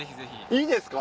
いいですか？